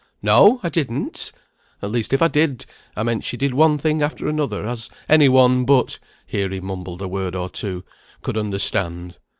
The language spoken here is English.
"No! I didn't! at least if I did, I meant she did one thing after another, as any one but" (here he mumbled a word or two) "could understand.